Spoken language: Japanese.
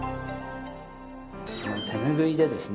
この手ぬぐいでですね